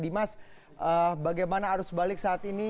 dimas bagaimana arus balik saat ini